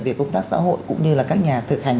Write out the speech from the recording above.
về công tác xã hội cũng như là các nhà thực hành